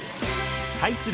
対する